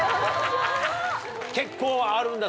結構あるんだ？